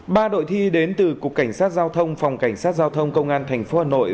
ba đội thi đến từ cục cảnh sát giao thông phòng cảnh sát giao thông công an tp hà nội